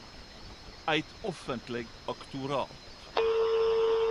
Eit offentleg aktorat.